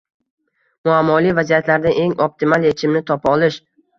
muammoli vaziyatlarda eng optimal yechimni topa olish